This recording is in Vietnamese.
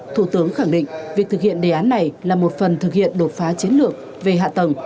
thủ tướng khẳng định việc thực hiện đề án này là một phần thực hiện đột phá chiến lược về hạ tầng